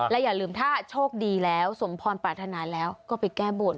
อย่าลืมถ้าโชคดีแล้วสมพรปรารถนาแล้วก็ไปแก้บน